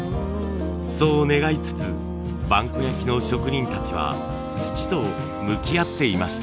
そう願いつつ萬古焼の職人たちは土と向き合っていました。